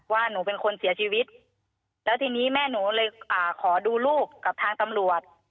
ว่าหนูเป็นคนเสียชีวิตแล้วทีนี้แม่หนูเลยอ่าขอดูลูกกับทางตำรวจ